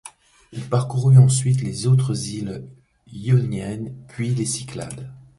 Il parcourut ensuite les autres îles Ioniennes puis les Cyclades.